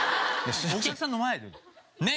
お客さんの前でねえ。